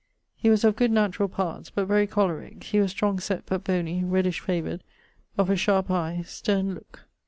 He was of good naturall parts; but very cholerique. He was strong sett but bony, reddish favoured, of a sharp eie, sterne looke.